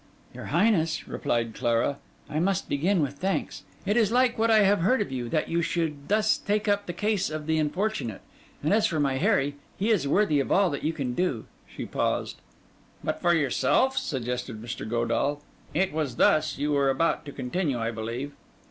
'Your Highness,' replied Clara, 'I must begin with thanks; it is like what I have heard of you, that you should thus take up the case of the unfortunate; and as for my Harry, he is worthy of all that you can do.' She paused. 'But for yourself?' suggested Mr. Godall—'it was thus you were about to continue, I believe.